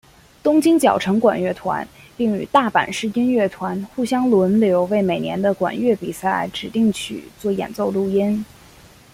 东京佼成管乐团并与大阪市音乐团互相轮流为每年的管乐比赛指定曲做演奏录音。